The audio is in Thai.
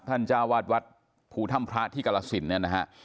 ท่านจ้าวาดวัดภูท่ำพระที่กลสินเนี่ยนะครับ